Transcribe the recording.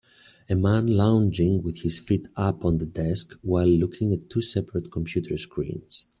A man lounging with his feet up on the desk while looking at two separate computer screens.